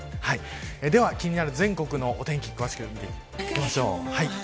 では、気になる全国のお天気を詳しく見ていきます。